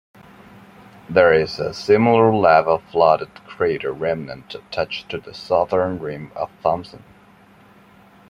There is a similar lava-flooded crater remnant attached to the southern rim of Thomson.